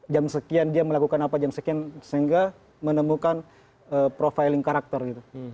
jam sekian dia melakukan apa jam sekian sehingga menemukan profiling karakter gitu